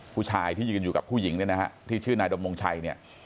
ผู้ชายที่ยืนอยู่กับผู้หญิงเนี่ยนะฮะที่ชื่อนายดำรงชัยเนี่ย